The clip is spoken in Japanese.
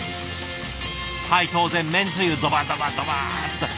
はい当然めんつゆドバドバドバッと。